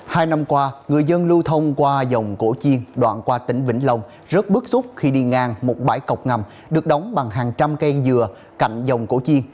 hai năm qua người dân lưu thông qua dòng cổ chiên đoạn qua tỉnh vĩnh long rất bức xúc khi đi ngang một bãi cọc ngầm được đóng bằng hàng trăm cây dừa cạnh dòng cổ chi